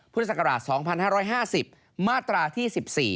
พุทธศักราช๒๕๕๐มาตราที่๑๔